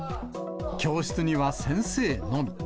教室には先生のみ。